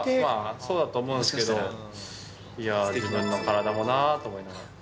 そうだと思うんですけど、いやー、自分の体もなあと思いながら。